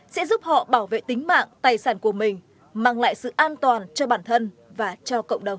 sẽ giúp họ bảo vệ tính mạng tài sản của mình mang lại sự an toàn cho bản thân và cho cộng đồng